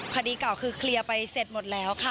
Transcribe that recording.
คดีเก่าคือเคลียร์ไปเสร็จหมดแล้วค่ะ